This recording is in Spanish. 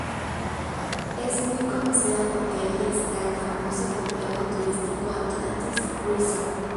Es muy conocida porque allí esta el famoso complejo turístico Atlantis Resort.